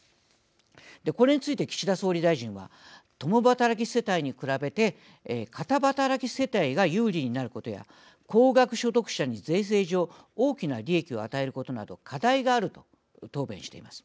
これについて岸田総理大臣は「共働き世帯に比べて片働き世帯が有利になることや高額所得者に税制上大きな利益を与えることなど課題がある」と答弁しています。